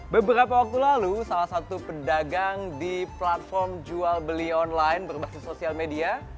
beberapa waktu lalu salah satu pedagang di platform jual beli online berbasis sosial media